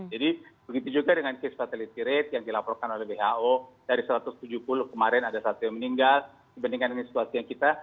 jadi begitu juga dengan case fatality rate yang dilaporkan oleh who dari satu ratus tujuh puluh kemarin ada satu yang meninggal dibandingkan dengan situasi yang kita